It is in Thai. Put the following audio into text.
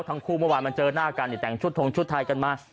ทั้งคู่เมื่อวานมันเจอหน้ากันเนี่ยแต่งชุดทงชุดทายกันมา